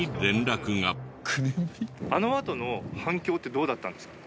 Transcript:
あのあとの反響ってどうだったんですか？